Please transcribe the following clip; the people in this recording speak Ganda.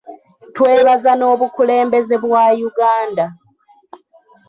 Twebaza n’Obukulembeze bwa Uganda.